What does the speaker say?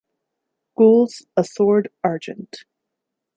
Gules a Sword Argent.